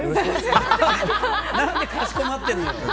なんでかしこまってるのよ？